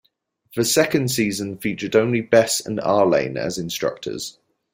The second season featured only Bess and Arlaine as instructors.